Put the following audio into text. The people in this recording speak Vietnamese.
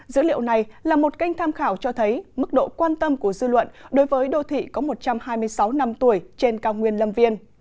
dữ liệu này là một kênh tham khảo cho thấy mức độ quan tâm của dư luận đối với đô thị có một trăm hai mươi sáu năm tuổi trên cao nguyên lâm viên